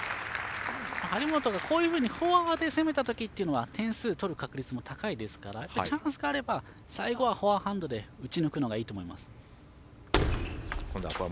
張本がこういうふうにフォア側で攻めた時というのは点数取る確率も高いですからチャンスがあれば最後はフォアハンドで打ち抜くのがいいと思います。